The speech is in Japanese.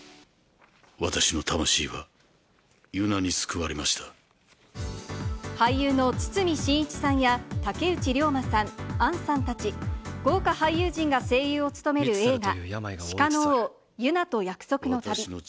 私の魂は、ユナに救われまし俳優の堤真一さんや、竹内涼真さん、杏さんたち、豪華俳優陣が声優を務める映画、鹿の王ユナと約束の旅。